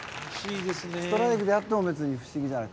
ストライクであっても別に不思議じゃない。